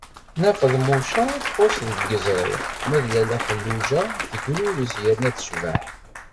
Nna Feḍmuca txuṣṣ deg yiẓri, ma d Lalla Xelluǧa tegrurez yerna tecbeḥ.